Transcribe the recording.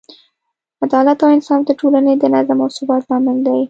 عدالت او انصاف د ټولنې د نظم او ثبات لامل دی.